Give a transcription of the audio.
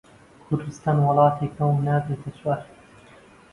کوردستان وڵاتێکە و نابێتە چوار